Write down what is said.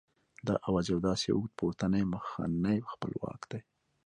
دا آواز یو داسې اوږد پورتنی مخنی خپلواک دی